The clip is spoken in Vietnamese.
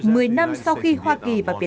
mười năm sau khi hoa kỳ và việt nam đã phát triển